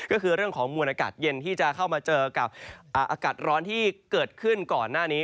ก็คือเรื่องของมวลอากาศเย็นที่จะเข้ามาเจอกับอากาศร้อนที่เกิดขึ้นก่อนหน้านี้